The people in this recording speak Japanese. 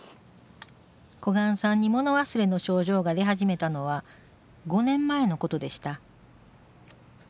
小雁さんに物忘れの症状が出始めたのは５年前のことでした。